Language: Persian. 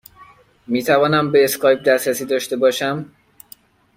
می توانم به اسکایپ دسترسی داشته باشم؟